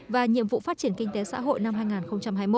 và nhiệm vụ phát triển kinh tế xã hội năm hai nghìn hai mươi một